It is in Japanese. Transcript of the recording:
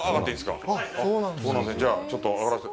すいません、じゃあ、ちょっと上がらせて。